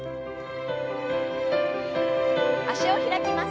脚を開きます。